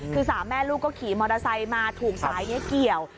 คือสามแม่ลูกก็ขี่มอเตอร์ไซค์มาถูกสายนี้เกี่ยว